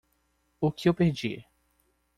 O que eu perdi?